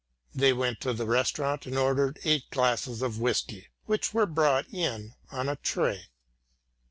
They went to the restaurant and ordered eight glasses of whisky, which were brought in on a tray.